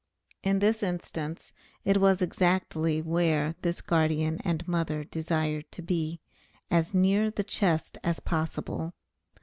In this instance it was exactly where this guardian and mother desired to be as near the chest as possible.